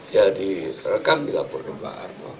ya di rekam dilaporin pak arma